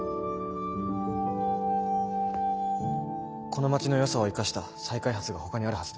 この街のよさを生かした再開発がほかにあるはずです。